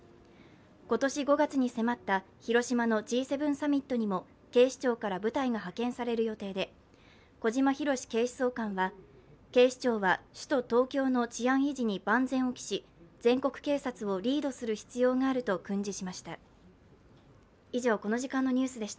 今年５月に迫った広島のＧ７サミットにも警視庁から部隊が派遣される予定で小島裕史警視総監は警視庁は首都東京の治安維持に万全を期し全国警察をリードする必要があると訓示しました。